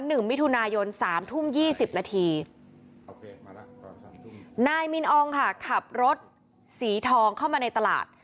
หนึ่งมิถุนายนสามทุ่มยี่สิบนาทีนายมินอองค่ะขับรถสีทองเข้ามาในตลาด